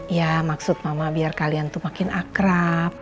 ya maksud mama biar kalian tuh makin akrab